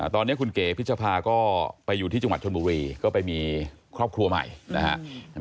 ตอนนี้คุณเก๋พิชภาก็ไปอยู่ที่จังหวัดชนบุรีก็ไปมีครอบครัวใหม่นะครับ